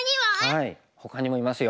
はいほかにもいますよ。